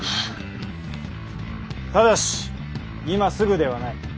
ただし今すぐではない。